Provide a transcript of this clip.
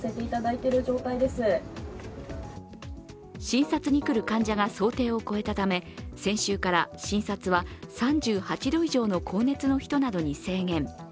診察に来る患者が想定を超えたため先週から診察は３８度以上の高熱の人などに制限。